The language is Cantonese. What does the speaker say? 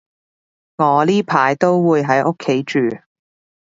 我呢排都會喺屋企住